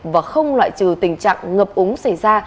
và không loại trừ tình trạng ngập úng xảy ra